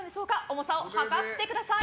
重さを量ってください！